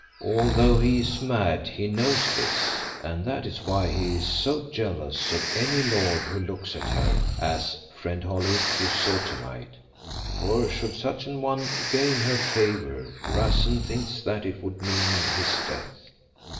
Although he is mad, he knows this, and that is why he is so jealous of any lord who looks at her, as, friend Holly, you saw to night. For should such an one gain her favour, Rassen thinks that it would mean his death."